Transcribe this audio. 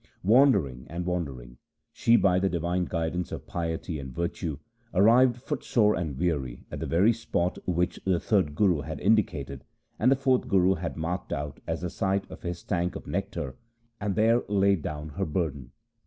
Wandering and wandering, she by the divine guidance of piety and virtue arrived footsore and weary at the very spot which the third Guru had indicated and the fourth Guru had marked out as the site of his tank of nectar, and there laid down her burden.